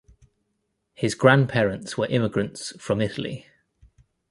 His grandparents were immigrants from Italy.